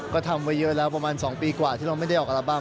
ก็ทำไว้เยอะแล้วประมาณ๒ปีกว่าที่เราไม่ได้ออกอัลบั้